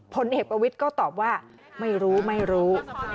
ผลเอกประวิทย์ก็ตอบว่าไม่รู้ไม่รู้